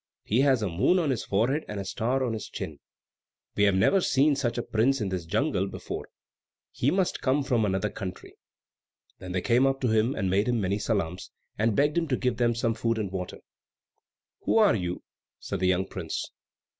He has a moon on his forehead and a star on his chin. We have never seen such a prince in this jungle before; he must come from another country." Then they came up to him, and made him many salaams, and begged him to give them some food and water. "Who are you?" said the young prince.